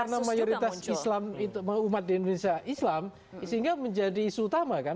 karena mayoritas islam itu umat di indonesia islam sehingga menjadi isu utama kan